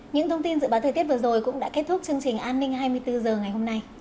những thông tin dự báo thời tiết vừa rồi cũng đã kết thúc chương trình an ninh hai mươi bốn h ngày hôm nay